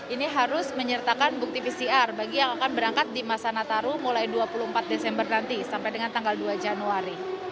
ini harus menyertakan bukti pcr bagi yang akan berangkat di masa nataru mulai dua puluh empat desember nanti sampai dengan tanggal dua januari